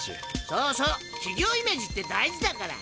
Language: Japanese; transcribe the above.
そうそう企業イメージって大事だから。